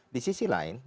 di sisi lainnya